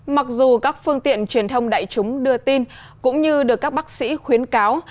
mặc dù các phương tiện truyền thông đại chúng đưa tin cũng như được các bác sĩ khuyến cáo